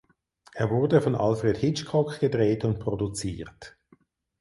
Er wurde von Alfred Hitchcock gedreht und produziert.